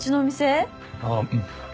あっうん。